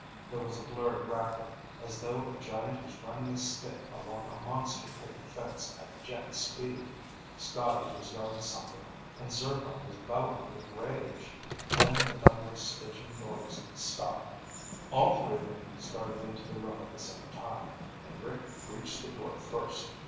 There was a blurred racket, as though a giant was running a stick along a monster picket fence at jet speed. Scotty was yelling something and Zircon was bellowing with rage. Then the thunderous stitching noise stopped. All three of them started into the room at the same time, and Rick reached the door first.